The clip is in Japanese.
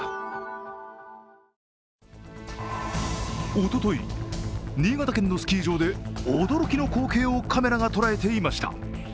おととい、新潟県のスキー場で驚きの光景をカメラが捉えていました。